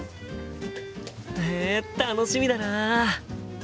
へえ楽しみだな！